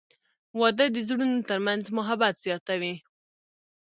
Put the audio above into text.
• واده د زړونو ترمنځ محبت زیاتوي.